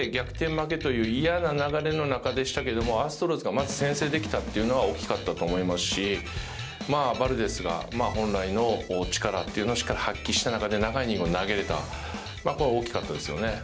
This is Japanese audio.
負けという嫌な流れの中でしたけれどもアストロズがまず先制できたっていうのが大きかったと思いますしバルデスが本来の力をしっかり発揮した中で長いイニングを投げれた、これは大きかったですよね。